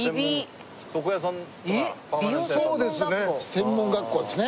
専門学校ですね。